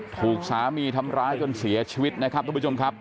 ถูกสามีทำร้ายจนเสียชีวิตนะครับทุกผู้ชมครับ